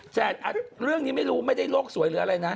แต่เรื่องนี้ไม่รู้ไม่ได้โลกสวยหรืออะไรนะ